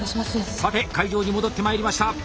さて会場に戻ってまいりました。